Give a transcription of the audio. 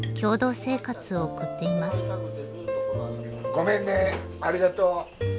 ごめんねありがとう。